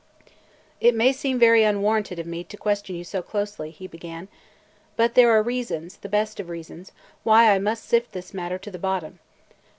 "It may seem very unwarranted of me to question you so closely," he began, "but there are reasons, the best of reasons, why I must sift this matter to the bottom.